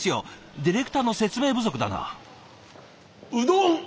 ディレクターの説明不足だな。